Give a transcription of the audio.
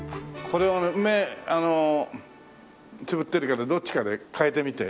これは目つぶってるからどっちかで換えてみて。